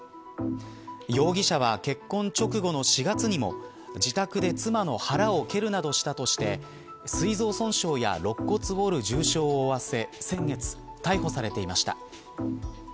容疑者は、結婚直後の４月にも自宅で妻の腹を蹴るなどしたとしてすい臓損傷や肋骨を折る重傷を負わせ先月逮捕されていました。